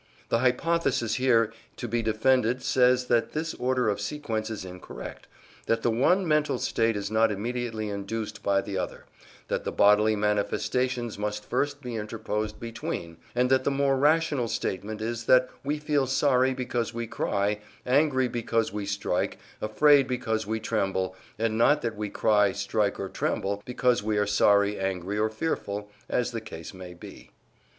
The hypothesis here to be defended says that this order of sequence is incorrect, that the one mental state is not immediately induced by the other, that the bodily manifestations must first be interposed between, and that the more rational statement is that we feel sorry because we cry, angry because we strike, afraid because we tremble, and not that we cry, strike, or tremble, because we are sorry, angry, or fearful, as the case may be.